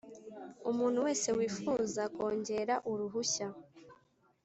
umuntu wese wifuza kongera uruhushya